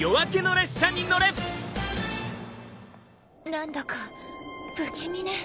何だか不気味ね。